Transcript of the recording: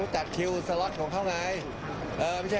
ตัดคิวสโลทของเค้าไงฮิวค่า